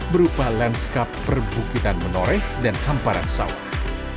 berupa landskap perbukitan menoreh dan hamparan sawah